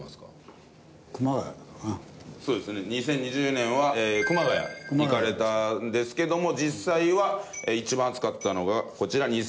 ２０２０年は熊谷行かれたんですけども実際は一番暑かったのがこちら。